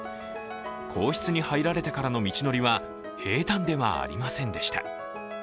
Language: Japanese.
皇室に入られてからの道のりは平たんではありませんでした。